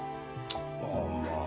ああまあ。